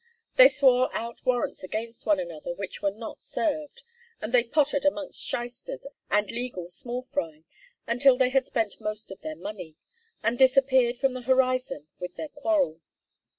They swore out warrants against one another which were not served, and they pottered amongst shysters and legal small fry, until they had spent most of their money, and disappeared from the horizon with their quarrel.